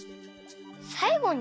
「さいごに」？